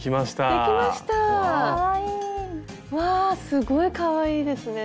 うわすごいかわいいですね。